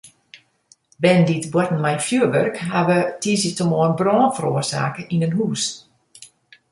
Bern dy't boarten mei fjurwurk hawwe tiisdeitemoarn brân feroarsake yn in hûs.